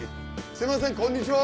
すいませんこんにちは！